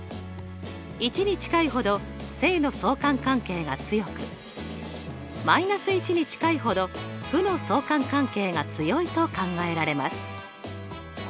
１に近いほど正の相関関係が強く−１に近いほど負の相関関係が強いと考えられます。